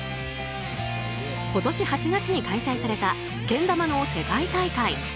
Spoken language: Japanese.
今年８月に開催されたけん玉の世界大会。